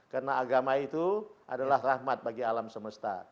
karena agama itu adalah rahmat bagi alam semesta